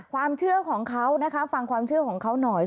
ความเชื่อของเขานะคะฟังความเชื่อของเขาหน่อย